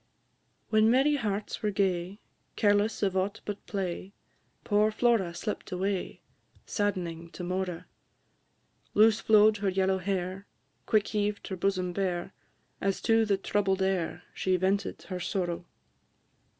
I. When merry hearts were gay, Careless of aught but play, Poor Flora slipt away, Sadd'ning to Mora; Loose flow'd her yellow hair, Quick heaved her bosom bare, As to the troubled air She vented her sorrow.